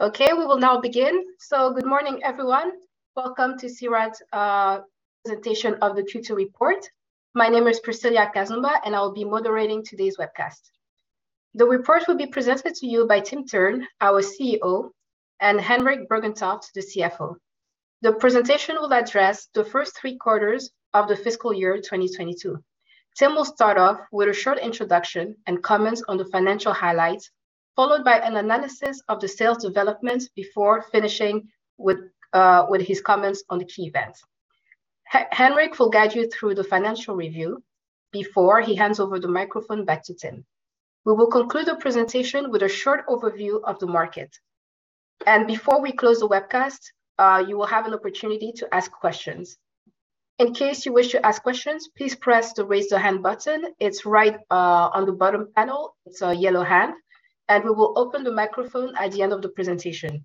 Okay, we will now begin. Good morning, everyone. Welcome to C-RAD's presentation of the Q2 report. My name is Priscilla Kazumba, and I will be moderating today's webcast. The report will be presented to you by Tim Thurn, our CEO, and Henrik Bergentoft, the CFO. The presentation will address the first three quarters of the fiscal year 2022. Tim will start off with a short introduction and comments on the financial highlights, followed by an analysis of the sales developments before finishing with his comments on the key events. Henrik will guide you through the financial review before he hands over the microphone back to Tim. We will conclude the presentation with a short overview of the market. Before we close the webcast, you will have an opportunity to ask questions. In case you wish to ask questions, please press the Raise the Hand button. It's right on the bottom panel. It's a yellow hand. We will open the microphone at the end of the presentation.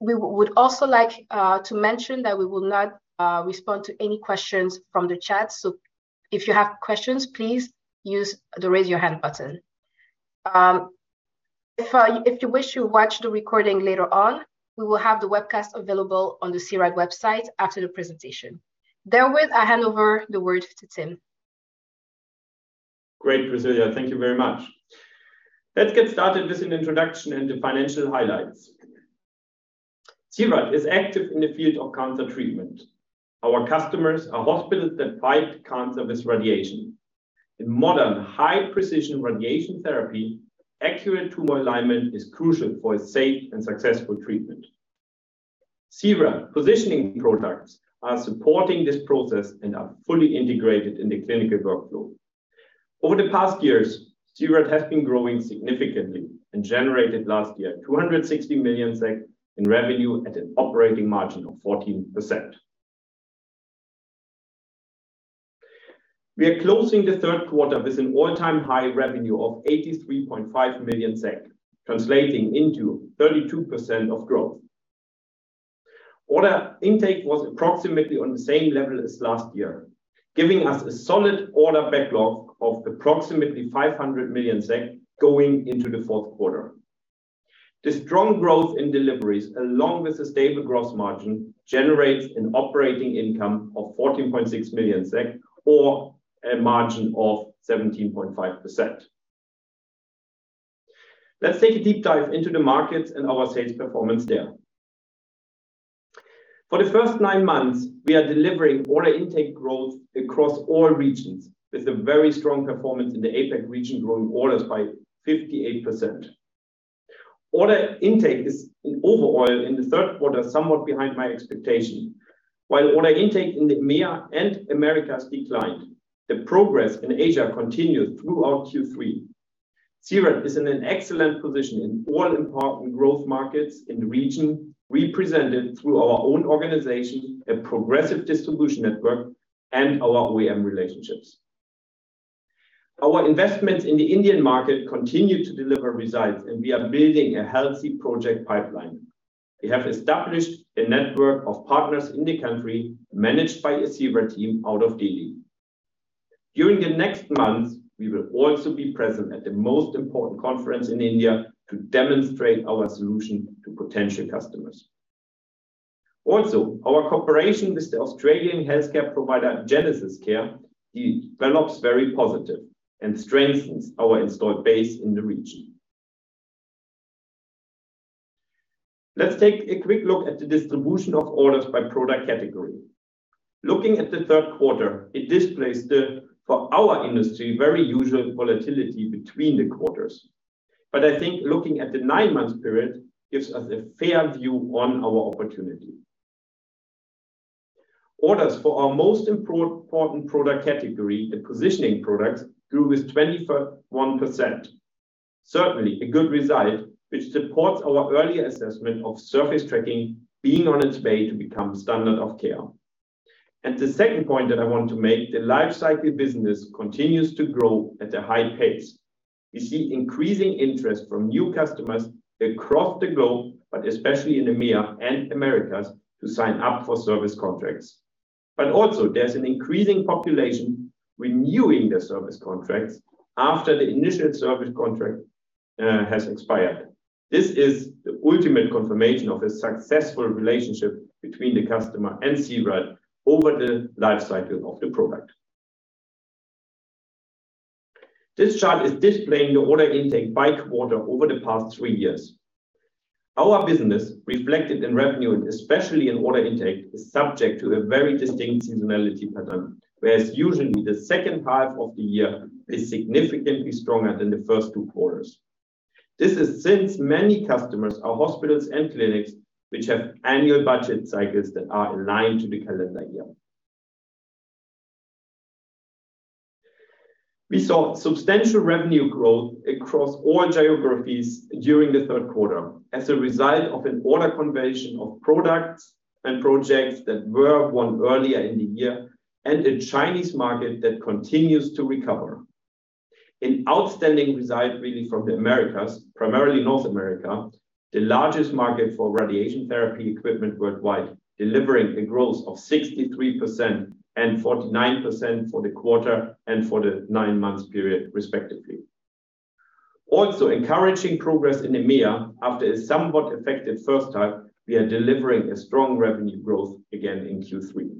We would also like to mention that we will not respond to any questions from the chat. If you have questions, please use the Raise Your Hand button. If you wish to watch the recording later on, we will have the webcast available on the C-RAD website after the presentation. Therewith, I hand over the word to Tim. Great, Priscilla. Thank you very much. Let's get started with an introduction and the financial highlights. C-RAD is active in the field of cancer treatment. Our customers are hospitals that fight cancer with radiation. In modern high-precision radiation therapy, accurate tumor alignment is crucial for a safe and successful treatment. C-RAD positioning products are supporting this process and are fully integrated in the clinical workflow. Over the past years, C-RAD has been growing significantly and generated last year 260 million SEK in revenue at an operating margin of 14%. We are closing the third quarter with an all-time high revenue of 83.5 million SEK, translating into 32% of growth. Order intake was approximately on the same level as last year, giving us a solid order backlog of approximately 500 million SEK going into the fourth quarter. The strong growth in deliveries, along with a stable gross margin, generates an operating income of 14.6 million SEK or a margin of 17.5%. Let's take a deep dive into the markets and our sales performance there. For the first nine months, we are delivering order intake growth across all regions with a very strong performance in the APAC region, growing orders by 58%. Order intake overall in the third quarter, somewhat behind my expectation. While order intake in the EMEA and Americas declined, the progress in Asia continued throughout Q3. C-RAD is in an excellent position in all important growth markets in the region, represented through our own organization, a progressive distribution network, and our OEM relationships. Our investments in the Indian market continue to deliver results, and we are building a healthy project pipeline. We have established a network of partners in the country managed by a C-RAD team out of Delhi. During the next months, we will also be present at the most important conference in India to demonstrate our solution to potential customers. Also, our cooperation with the Australian healthcare provider, GenesisCare, develops very positive and strengthens our installed base in the region. Let's take a quick look at the distribution of orders by product category. Looking at the third quarter, it displays the, for our industry, very usual volatility between the quarters. But I think looking at the nine-month period gives us a fair view on our opportunity. Orders for our most important product category, the positioning products, grew with 21%. Certainly a good result, which supports our early assessment of surface tracking being on its way to become standard of care. The second point that I want to make, the lifecycle business continues to grow at a high pace. We see increasing interest from new customers across the globe, but especially in EMEA and Americas, to sign up for service contracts. There's an increasing population renewing their service contracts after the initial service contract has expired. This is the ultimate confirmation of a successful relationship between the customer and C-RAD over the lifecycle of the product. This chart is displaying the order intake by quarter over the past three years. Our business, reflected in revenue, and especially in order intake, is subject to a very distinct seasonality pattern, whereas usually the second half of the year is significantly stronger than the first two quarters. This is since many customers are hospitals and clinics which have annual budget cycles that are aligned to the calendar year. We saw substantial revenue growth across all geographies during the third quarter as a result of an order conversion of products and projects that were won earlier in the year and a Chinese market that continues to recover. An outstanding result really from the Americas, primarily North America, the largest market for radiation therapy equipment worldwide, delivering a growth of 63% and 49% for the quarter and for the nine-month period, respectively. Also encouraging progress in EMEA after a somewhat affected first half, we are delivering a strong revenue growth again in Q3.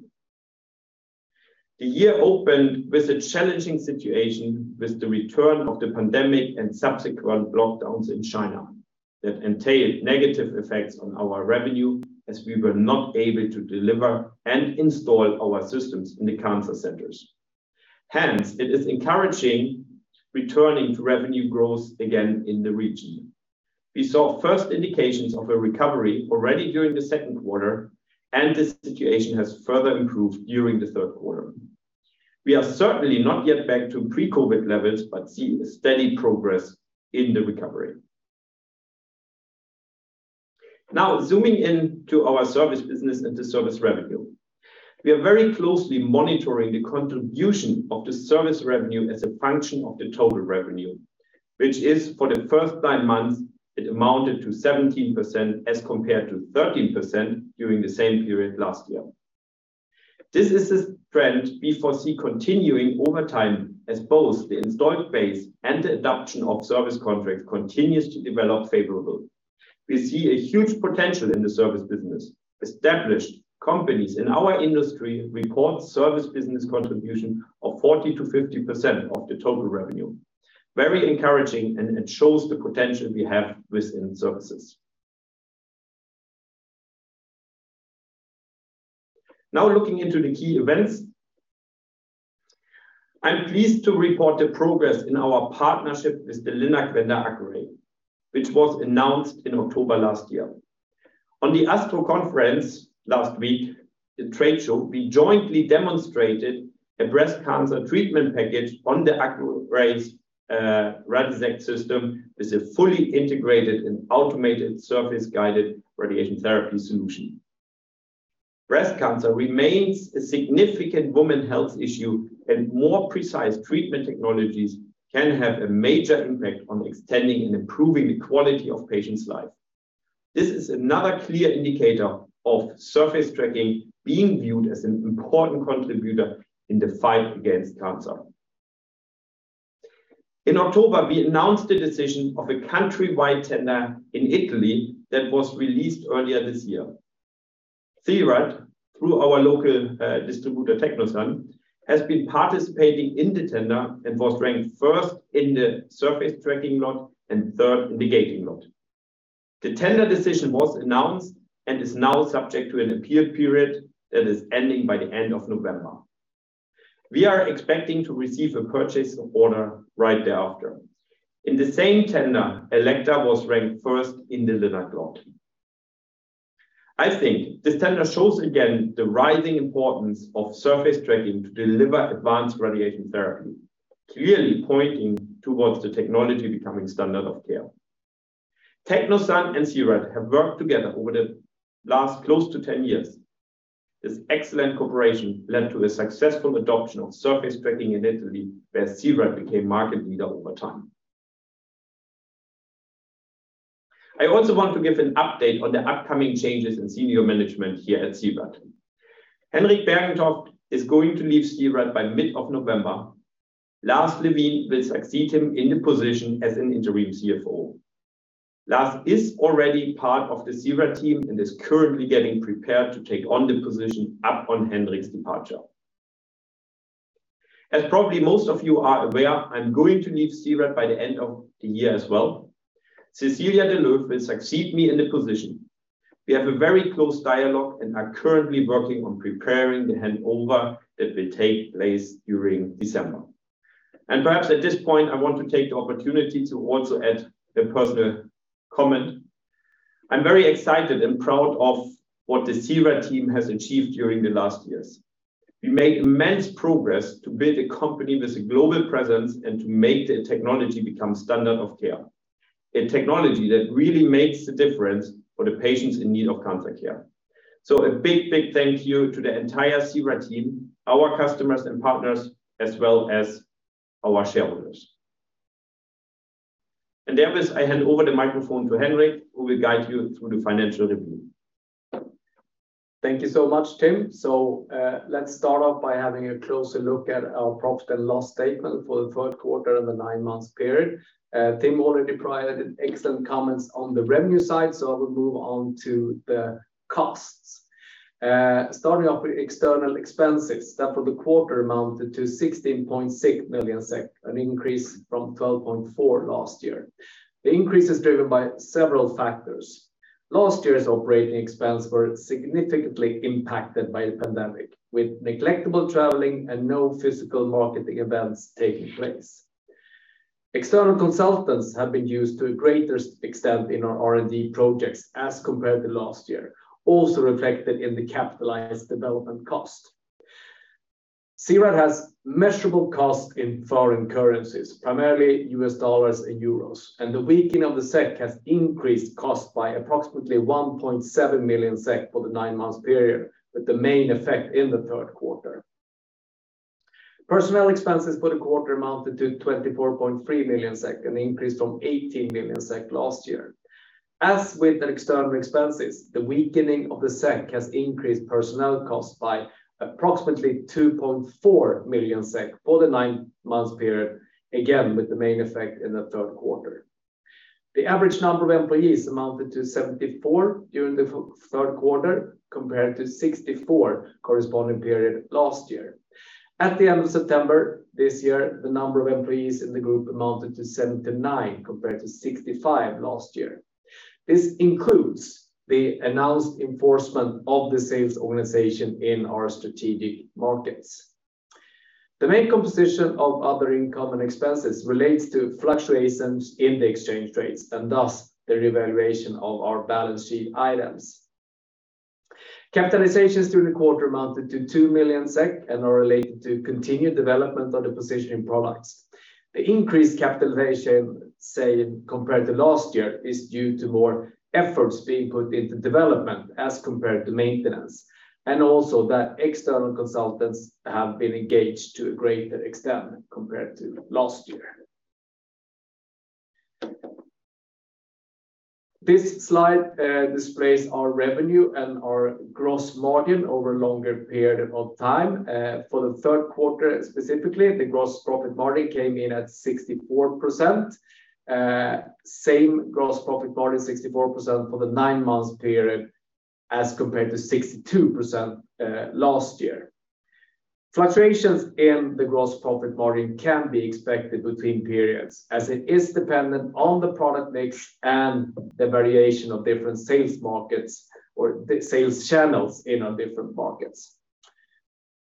The year opened with a challenging situation with the return of the pandemic and subsequent lockdowns in China that entailed negative effects on our revenue as we were not able to deliver and install our systems in the cancer centers. Hence, it is encouraging returning to revenue growth again in the region. We saw first indications of a recovery already during the second quarter, and the situation has further improved during the third quarter. We are certainly not yet back to pre-COVID levels, but see a steady progress in the recovery. Now zooming in to our service business and the service revenue. We are very closely monitoring the contribution of the service revenue as a function of the total revenue, which, for the first nine months, amounted to 17% as compared to 13% during the same period last year. This is a trend we foresee continuing over time as both the installed base and the adoption of service contracts continues to develop favorably. We see a huge potential in the service business. Established companies in our industry report service business contribution of 40%-50% of the total revenue. Very encouraging and shows the potential we have within services. Now looking into the key events. I'm pleased to report the progress in our partnership with the LINAC vendor Accuray, which was announced in October last year. On the ASTRO conference last week, the trade show, we jointly demonstrated a breast cancer treatment package on Accuray's Radixact system with a fully integrated and automated surface-guided radiation therapy solution. Breast cancer remains a significant women's health issue, and more precise treatment technologies can have a major impact on extending and improving the quality of patients' lives. This is another clear indicator of surface tracking being viewed as an important contributor in the fight against cancer. In October, we announced the decision of a country-wide tender in Italy that was released earlier this year. C-RAD, through our local distributor, Tecnosan, has been participating in the tender and was ranked first in the surface tracking lot and third in the gating lot. The tender decision was announced and is now subject to an appeal period that is ending by the end of November. We are expecting to receive a purchase order right thereafter. In the same tender, Elekta was ranked first in the LINAC lot. I think this tender shows again the rising importance of surface tracking to deliver advanced radiation therapy, clearly pointing towards the technology becoming standard of care. Tecnosan and C-RAD have worked together over the last close to ten years. This excellent cooperation led to the successful adoption of surface tracking in Italy, where C-RAD became market leader over time. I also want to give an update on the upcoming changes in senior management here at C-RAD. Henrik Bergentoft is going to leave C-RAD by mid of November. Lars Levin will succeed him in the position as an interim CFO. Lars is already part of the C-RAD team and is currently getting prepared to take on the position upon Henrik's departure. As probably most of you are aware, I'm going to leave C-RAD by the end of the year as well. Cecilia de Leeuw will succeed me in the position. We have a very close dialogue and are currently working on preparing the handover that will take place during December. Perhaps at this point, I want to take the opportunity to also add a personal comment. I'm very excited and proud of what the C-RAD team has achieved during the last years. We made immense progress to build a company with a global presence and to make the technology become standard of care, a technology that really makes the difference for the patients in need of cancer care. A big, big thank you to the entire C-RAD team, our customers and partners, as well as our shareholders. With that, I hand over the microphone to Henrik, who will guide you through the financial review. Thank you so much, Tim. Let's start off by having a closer look at our profit and loss statement for the third quarter and the nine-month period. Tim already provided excellent comments on the revenue side, so I will move on to the costs. Starting off with external expenses, that for the quarter amounted to 16.6 million SEK, an increase from 12.4 million last year. The increase is driven by several factors. Last year's operating expense were significantly impacted by the pandemic, with negligible traveling and no physical marketing events taking place. External consultants have been used to a greater extent in our R&D projects as compared to last year, also reflected in the capitalized development cost. C-RAD has measurable cost in foreign currencies, primarily U.S. dollars and euros. The weakening of the SEK has increased cost by approximately 1.7 million SEK for the nine-month period, with the main effect in the third quarter. Personnel expenses for the quarter amounted to 24.3 million SEK, an increase from 18 million SEK last year. As with the external expenses, the weakening of the SEK has increased personnel costs by approximately 2.4 million SEK for the nine-month period, again, with the main effect in the third quarter. The average number of employees amounted to 74 during the third quarter, compared to 64 corresponding period last year. At the end of September this year, the number of employees in the group amounted to 79, compared to 65 last year. This includes the announced expansion of the sales organization in our strategic markets. The main composition of other income and expenses relates to fluctuations in the exchange rates, and thus the revaluation of our balance sheet items. Capitalizations during the quarter amounted to 2 million SEK, and are related to continued development of the positioning products. The increased capitalization, say, compared to last year, is due to more efforts being put into development as compared to maintenance, and also that external consultants have been engaged to a greater extent compared to last year. This slide displays our revenue and our gross margin over a longer period of time. For the third quarter, specifically, the gross profit margin came in at 64%. Same gross profit margin, 64%, for the nine-month period as compared to 62%, last year. Fluctuations in the gross profit margin can be expected between periods, as it is dependent on the product mix and the variation of different sales markets or the sales channels in our different markets.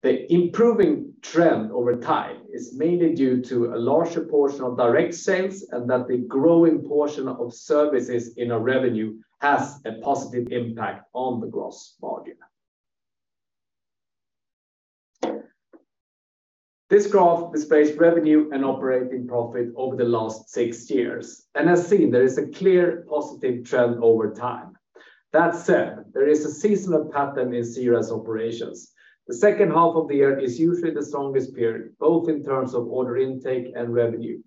The improving trend over time is mainly due to a larger portion of direct sales, and that the growing portion of services in our revenue has a positive impact on the gross margin. This graph displays revenue and operating profit over the last six years, and as seen, there is a clear positive trend over time. That said, there is a seasonal pattern in C-RAD's operations. The second half of the year is usually the strongest period, both in terms of order intake and revenue.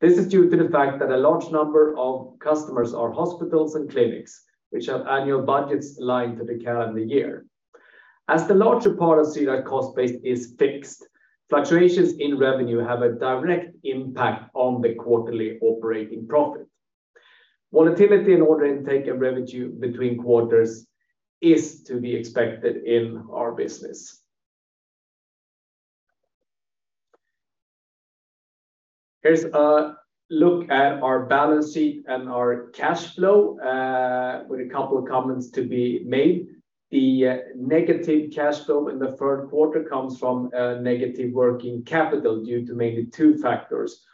This is due to the fact that a large number of customers are hospitals and clinics, which have annual budgets aligned to the calendar year. As the larger part of C-RAD cost base is fixed, fluctuations in revenue have a direct impact on the quarterly operating profit. Volatility in order intake and revenue between quarters is to be expected in our business. Here's a look at our balance sheet and our cash flow, with a couple of comments to be made. The negative cash flow in the third quarter comes from negative working capital due to mainly two factors.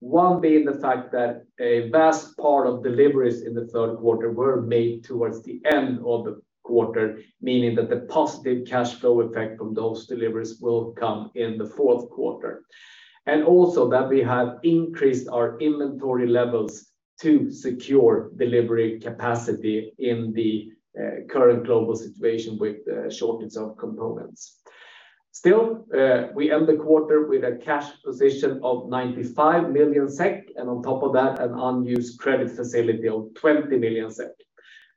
One being the fact that a vast part of deliveries in the third quarter were made towards the end of the quarter, meaning that the positive cash flow effect from those deliveries will come in the fourth quarter. Also that we have increased our inventory levels to secure delivery capacity in the current global situation with the shortage of components. Still, we end the quarter with a cash position of 95 million SEK, and on top of that, an unused credit facility of 20 million SEK.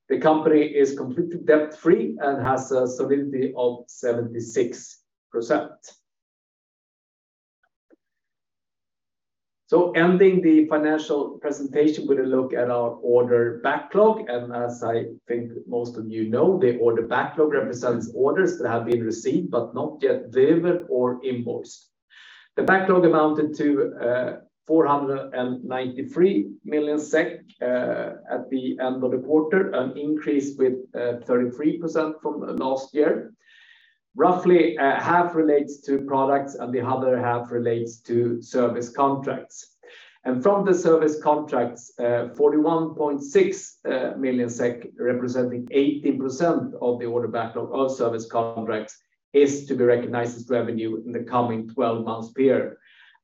The company is completely debt-free and has a solidity of 76%. Ending the financial presentation with a look at our order backlog, and as I think most of you know, the order backlog represents orders that have been received but not yet delivered or invoiced. The backlog amounted to 493 million SEK at the end of the quarter, an increase with 33% from last year. Roughly, half relates to products, and the other half relates to service contracts. From the service contracts, 41.6 million SEK, representing 18% of the order backlog of service contracts, is to be recognized as revenue in the coming 12-month period,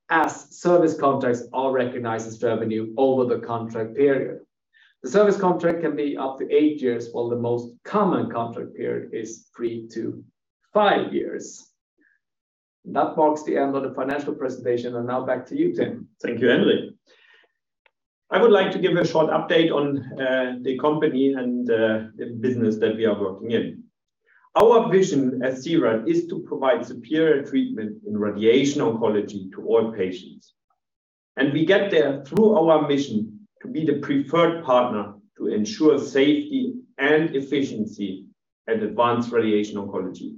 as service contracts are recognized as revenue over the contract period. The service contract can be up to eight years, while the most common contract period is 3-5 years. That marks the end of the financial presentation, and now back to you, Tim. Thank you, Henrik. I would like to give a short update on the company and the business that we are working in. Our vision at C-RAD is to provide superior treatment in radiation oncology to all patients, and we get there through our mission to be the preferred partner to ensure safety and efficiency and advance radiation oncology,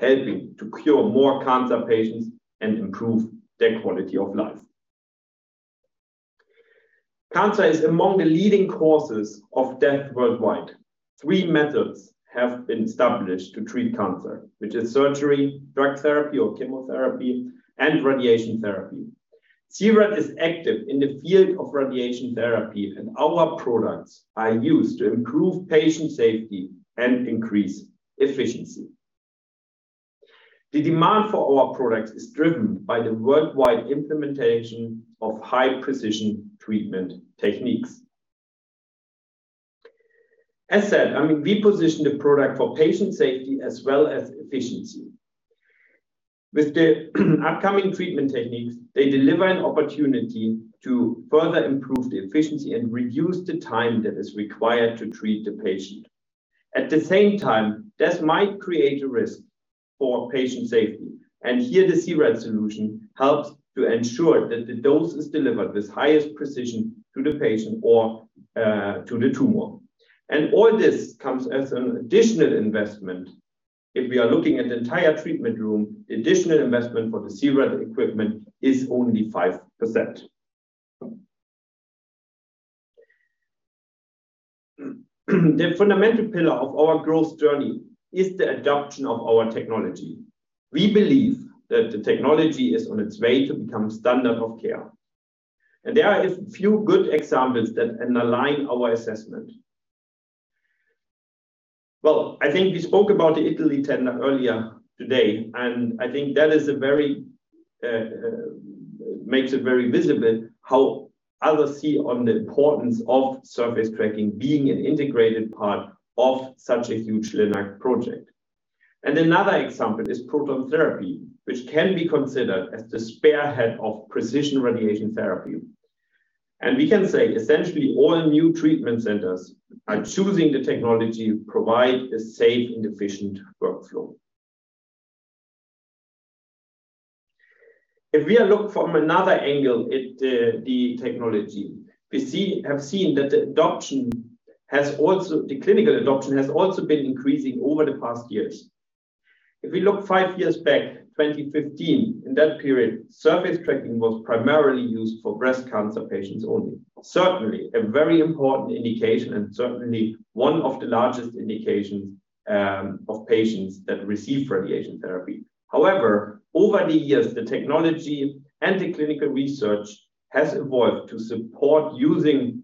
helping to cure more cancer patients and improve their quality of life. Cancer is among the leading causes of death worldwide. Three methods have been established to treat cancer, which is surgery, drug therapy or chemotherapy, and radiation therapy. C-RAD is active in the field of radiation therapy, and our products are used to improve patient safety and increase efficiency. The demand for our products is driven by the worldwide implementation of high-precision treatment techniques. As said, I mean, we position the product for patient safety as well as efficiency. With the upcoming treatment techniques, they deliver an opportunity to further improve the efficiency and reduce the time that is required to treat the patient. At the same time, this might create a risk for patient safety. Here the C-RAD solution helps to ensure that the dose is delivered with highest precision to the patient or to the tumor. All this comes as an additional investment. If we are looking at the entire treatment room, additional investment for the C-RAD equipment is only 5%. The fundamental pillar of our growth journey is the adoption of our technology. We believe that the technology is on its way to become standard of care, and there are a few good examples that underline our assessment. Well, I think we spoke about the Italy tender earlier today, and I think that is a very makes it very visible how others see the importance of surface tracking being an integrated part of such a huge LINAC project. Another example is proton therapy, which can be considered as the spearhead of precision radiation therapy. We can say essentially all new treatment centers are choosing the technology provide a safe and efficient workflow. If we look from another angle at the technology, we have seen that the clinical adoption has also been increasing over the past years. If we look five years back, 2015, in that period, surface tracking was primarily used for breast cancer patients only. Certainly a very important indication and certainly one of the largest indications of patients that receive radiation therapy. However, over the years, the technology and the clinical research has evolved to support using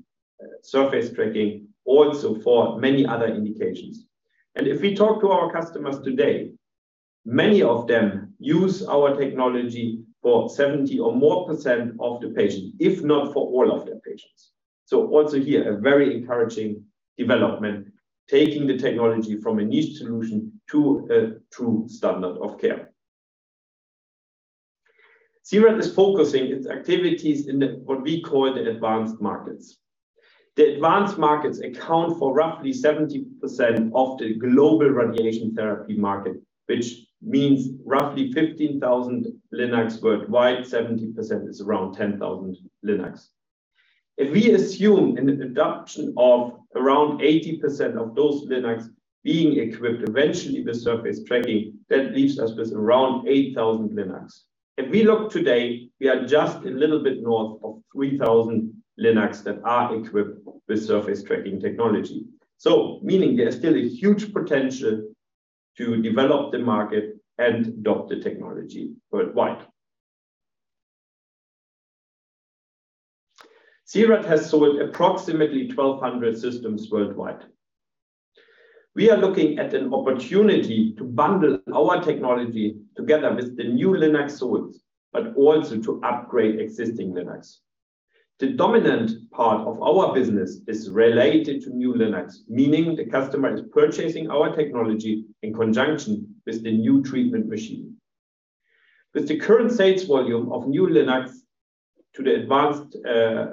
surface tracking also for many other indications. If we talk to our customers today, many of them use our technology for 70% or more of the patients, if not for all of their patients. Also here, a very encouraging development, taking the technology from a niche solution to a true standard of care. C-RAD is focusing its activities in what we call the advanced markets. The advanced markets account for roughly 70% of the global radiation therapy market, which means roughly 15,000 LINACs worldwide. Seventy percent is around 10,000 LINACs. If we assume an adoption of around 80% of those LINACs being equipped eventually with surface tracking, that leaves us with around 8,000 LINACs. If we look today, we are just a little bit north of 3,000 LINACs that are equipped with surface tracking technology. Meaning there's still a huge potential to develop the market and adopt the technology worldwide. C-RAD has sold approximately 1,200 systems worldwide. We are looking at an opportunity to bundle our technology together with the new LINAC sold, but also to upgrade existing LINACs. The dominant part of our business is related to new LINACs, meaning the customer is purchasing our technology in conjunction with the new treatment machine. With the current sales volume of new LINACs to the advanced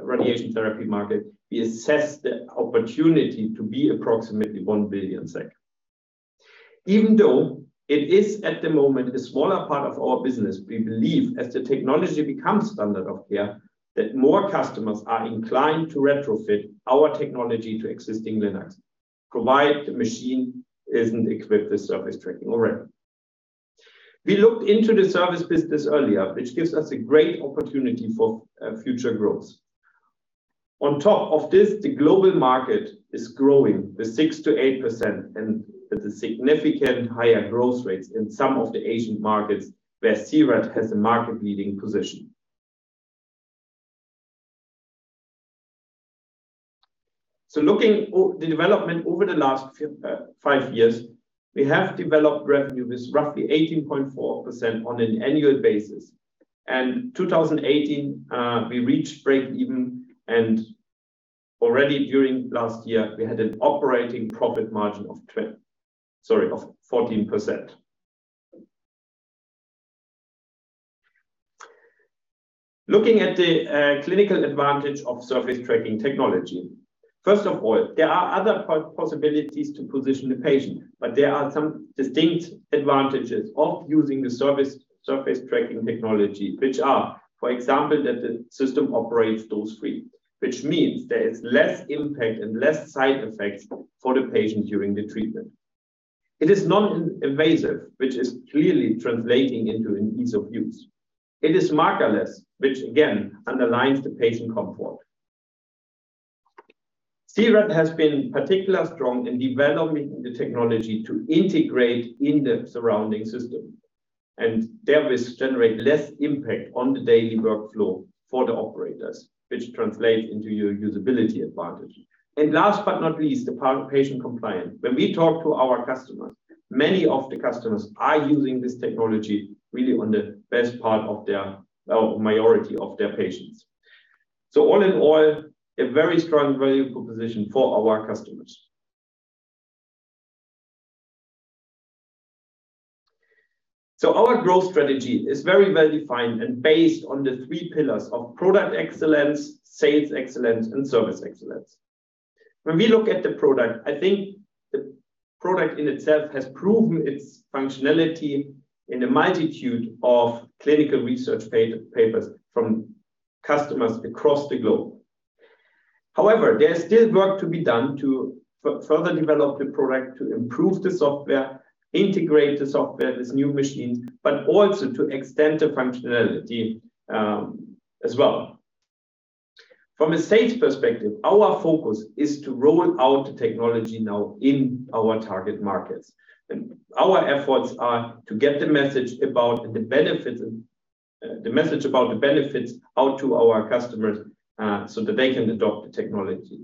radiation therapy market, we assess the opportunity to be approximately 1 billion. Even though it is at the moment a smaller part of our business, we believe as the technology becomes standard of care, that more customers are inclined to retrofit our technology to existing LINACs, provided the machine isn't equipped with surface tracking already. We looked into the service business earlier, which gives us a great opportunity for future growth. On top of this, the global market is growing with 6%-8% and with significantly higher growth rates in some of the Asian markets where C-RAD has a market-leading position. Looking at the development over the last five years, we have developed revenue with roughly 18.4% on an annual basis. 2018, we reached break-even, and already during last year we had an operating profit margin of 14%. Looking at the clinical advantage of surface tracking technology. First of all, there are other possibilities to position the patient, but there are some distinct advantages of using the surface tracking technology, which are, for example, that the system operates dose-free, which means there is less impact and less side effects for the patient during the treatment. It is non-invasive, which is clearly translating into an ease of use. It is markerless, which again underlines the patient comfort. C-RAD has been particularly strong in developing the technology to integrate in the surrounding system, and thereby generate less impact on the daily workflow for the operators, which translate into usability advantage. Last but not least, the patient compliance. When we talk to our customers, many of the customers are using this technology really on the best part of their or majority of their patients. All in all, a very strong value proposition for our customers. Our growth strategy is very well-defined and based on the three pillars of product excellence, sales excellence, and service excellence. When we look at the product, I think the product in itself has proven its functionality in a multitude of clinical research papers from customers across the globe. However, there is still work to be done to further develop the product to improve the software, integrate the software with new machines, but also to extend the functionality, as well. From a sales perspective, our focus is to roll out the technology now in our target markets, and our efforts are to get the message about the benefits out to our customers, so that they can adopt the technology.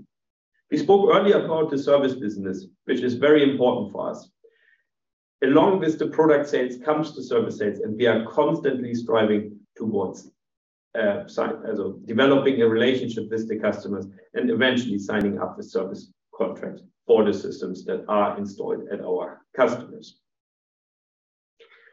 We spoke earlier about the service business, which is very important for us. Along with the product sales comes the service sales, and we are constantly striving towards developing a relationship with the customers and eventually signing up the service contract for the systems that are installed at our customers.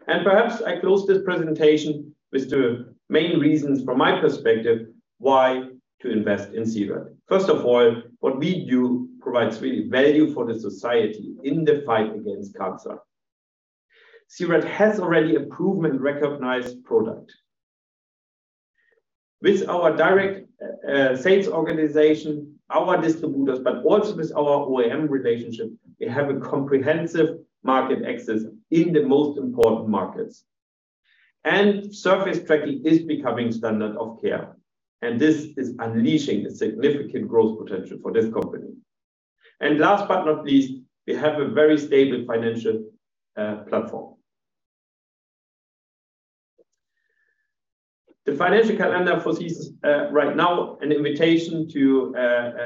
Perhaps I close this presentation with the main reasons from my perspective why to invest in C-RAD. First of all, what we do provides really value for the society in the fight against cancer. C-RAD has already a proven and recognized product. With our direct sales organization, our distributors, but also with our OEM relationship, we have a comprehensive market access in the most important markets. Surface tracking is becoming standard of care, and this is unleashing a significant growth potential for this company. Last but not least, we have a very stable financial platform. The financial calendar foresees right now an invitation to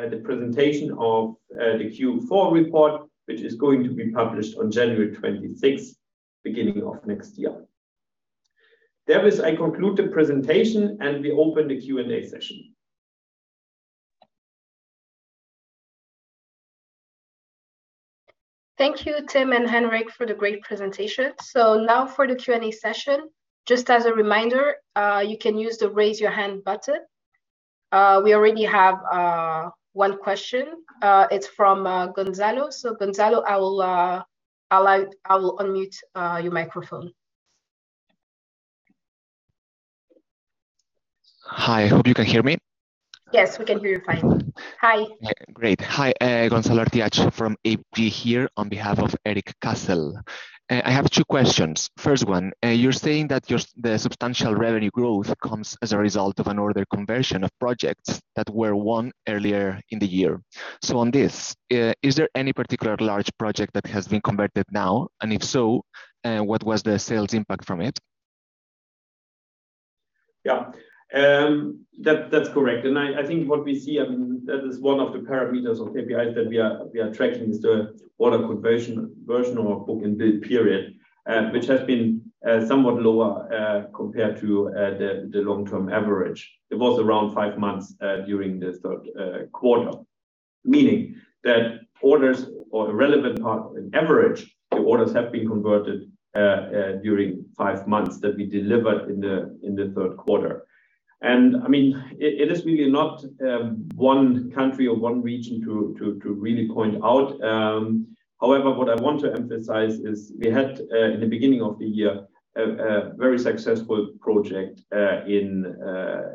the presentation of the Q4 report, which is going to be published on January twenty-sixth, beginning of next year. Therewith, I conclude the presentation and we open the Q&A session. Thank you, Tim and Henrik, for the great presentation. Now for the Q&A session. Just as a reminder, you can use the raise your hand button. We already have one question. It's from Gonzalo. Gonzalo, I will unmute your microphone. Hi, hope you can hear me. Yes, we can hear you fine. Hi. Great. Hi, Gonzalo Artiach from ABG here on behalf of Erik Cassel. I have two questions. First one, you're saying that the substantial revenue growth comes as a result of an order conversion of projects that were won earlier in the year. On this, is there any particular large project that has been converted now? And if so, what was the sales impact from it? Yeah. That's correct. I think what we see that is one of the parameters or KPIs that we are tracking is the order conversion of our book and bill period, which has been somewhat lower compared to the long-term average. It was around five months during this third quarter. Meaning that orders or a relevant part, on average, the orders have been converted during five months that we delivered in the third quarter. I mean, it is really not one country or one region to really point out. However, what I want to emphasize is we had in the beginning of the year a very successful project in the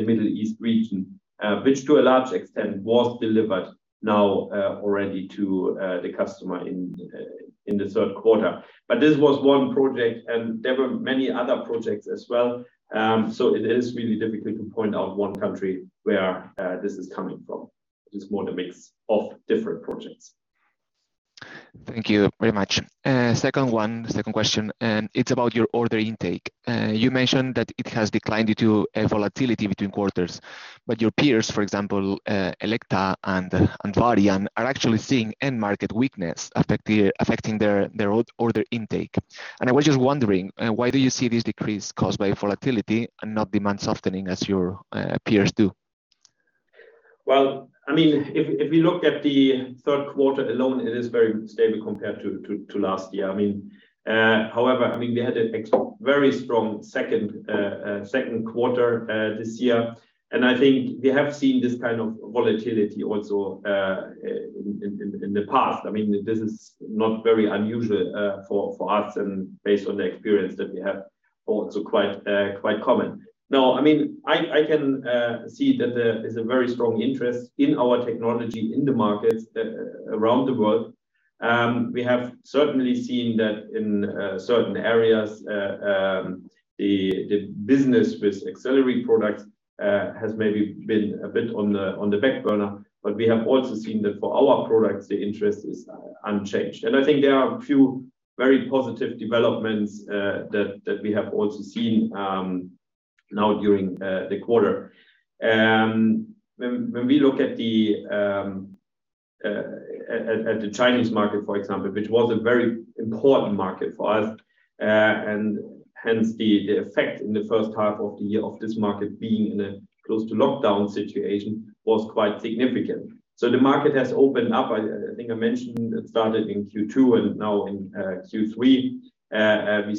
Middle East region, which to a large extent was delivered now already to the customer in the third quarter. This was one project, and there were many other projects as well. It is really difficult to point out one country where this is coming from. It is more the mix of different projects. Thank you very much. Second one, second question, and it's about your order intake. You mentioned that it has declined due to a volatility between quarters. Your peers, for example, Elekta and Varian are actually seeing end market weakness affecting their order intake. I was just wondering why do you see this decrease caused by volatility and not demand softening as your peers do? Well, I mean, if we look at the third quarter alone, it is very stable compared to last year. I mean, however, I mean, we had a very strong second quarter this year, and I think we have seen this kind of volatility also in the past. I mean, this is not very unusual for us and based on the experience that we have also quite common. Now, I mean, I can see that there is a very strong interest in our technology in the markets around the world. We have certainly seen that in certain areas the business with auxiliary products has maybe been a bit on the back burner. We have also seen that for our products, the interest is unchanged. I think there are a few very positive developments that we have also seen now during the quarter. When we look at the Chinese market, for example, which was a very important market for us, and hence the effect in the first half of the year of this market being in a close to lockdown situation was quite significant. The market has opened up. I think I mentioned it started in Q2 and now in Q3 we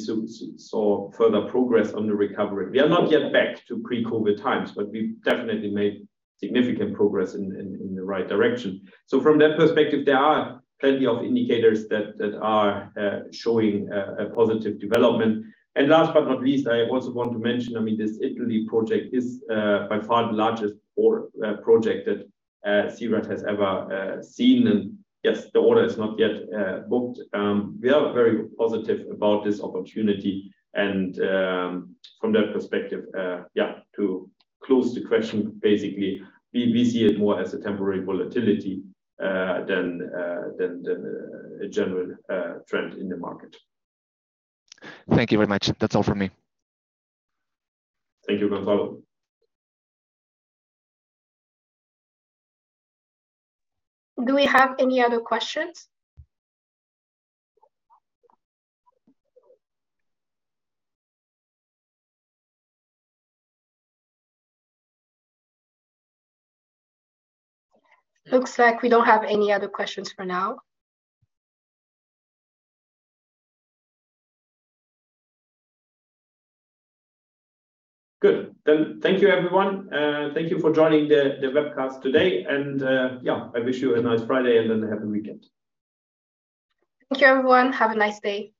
saw further progress on the recovery. We are not yet back to pre-COVID times, but we've definitely made significant progress in the right direction. From that perspective, there are plenty of indicators that are showing a positive development. Last but not least, I also want to mention, I mean, this Italy project is by far the largest order project that C-RAD has ever seen. Yes, the order is not yet booked. We are very positive about this opportunity and from that perspective, yeah, to close the question, basically, we see it more as a temporary volatility than a general trend in the market. Thank you very much. That's all from me. Thank you, Gonzalo. Do we have any other questions? Looks like we don't have any other questions for now. Good. Thank you, everyone. Thank you for joining the webcast today. Yeah, I wish you a nice Friday, and then a happy weekend. Thank you, everyone. Have a nice day.